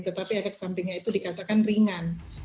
tetapi efek sampingnya itu dikatakan ringan